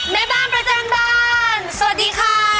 แม่บ้านประจำบ้านสวัสดีค่ะ